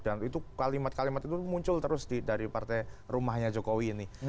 itu kalimat kalimat itu muncul terus dari partai rumahnya jokowi ini